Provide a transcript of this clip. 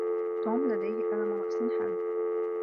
توم لديه الم رأس حاد.